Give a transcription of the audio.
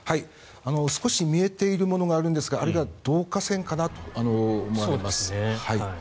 少し見えているものがあるんですがあれが導火線かなと思われます。